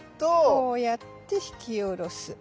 こうやって引き下ろす。